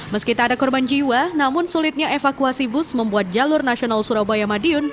meski tak ada korban jiwa namun sulitnya evakuasi bus membuat jalur nasional surabaya madiun